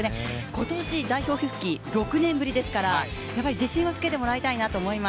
今年代表復帰、６年ぶりですから自信はつけてもらいたいなと思います。